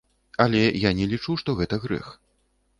Але я не лічу, што гэта грэх.